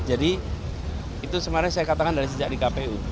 jadi itu sebenarnya saya katakan dari sejak di kpu